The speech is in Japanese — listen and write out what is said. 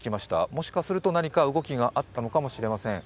もしかすると何か動きがあったのかもしれません。